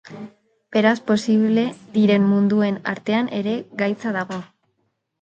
Beraz, posible diren munduen artean ere gaitza dago.